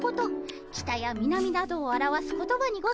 北や南などを表す言葉にございます。